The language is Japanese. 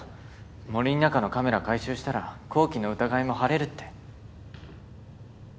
森ん中のカメラ回収したら紘希の疑いも晴れるって。